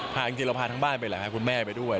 จริงเราพาทั้งบ้านไปแหละพาคุณแม่ไปด้วย